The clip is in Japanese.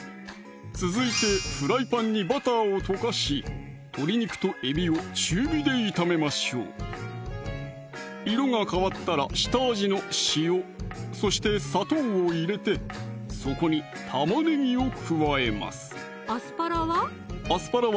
続いてフライパンにバターを溶かし鶏肉とえびを中火で炒めましょう色が変わったら下味の塩そして砂糖を入れてそこに玉ねぎを加えますアスパラは？